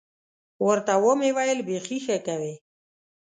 ورته ومې ویل بيخي ښه کوې.